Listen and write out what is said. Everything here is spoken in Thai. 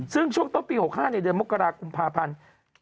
ซึ่งช่วงต้นปี๖๕ในเดือนมกรากุมภาพันธ์